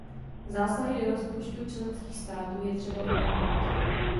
Zásahy do rozpočtů členských států je třeba odmítnout.